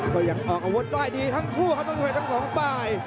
ก็ยังออกอวดได้ดีทั้งคู่ครับต้องกดจำ๒ป้าย